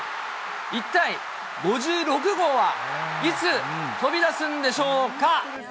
一体５６号はいつ飛び出すんでしょうか。